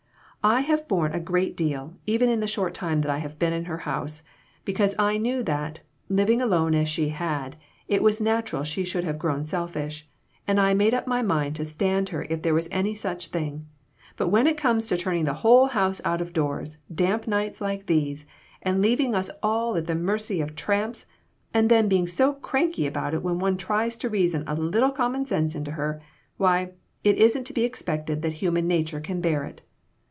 I have borne a great deal, even in the short time that I have been in her house, because I knew that, living alone as she had, it was natural she should have grown selfish ; and I made up my mind to stand her if there was any such thing ; but when it comes to turning the whole house out of doors, damp nights like these, and leaving us all at the mercy of tramps, and then being so cranky about it when one tries to reason a little common sense into her, why, it isn't to be expected that human nature can bear it.